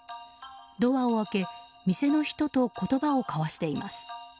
ドアを開け店の人と言葉を交わしています。